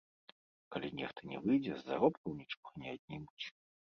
Калі нехта не выйдзе, з заробкаў нічога не аднімуць.